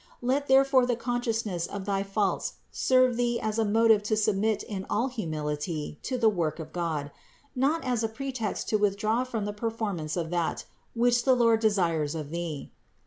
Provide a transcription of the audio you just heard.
Let therefore the consciousness of thy faults serve thee as a motive to submit in all humility to the work of God, not as a pretext to withdraw from the performance of that which the Lord desires of thee.